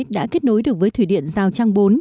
đã kết nối được với thủy điện giao trang bốn